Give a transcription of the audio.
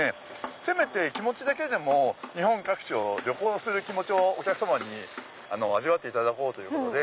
せめて気持ちだけでも日本各地を旅行する気持ちをお客様に味わっていただこうということで。